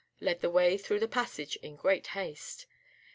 led the way through the passage in great haste.